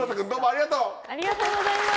ありがとうございます。